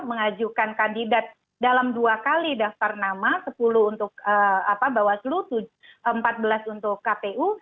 mengajukan kandidat dalam dua kali daftar nama sepuluh untuk bawaslu empat belas untuk kpu